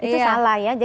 itu salah ya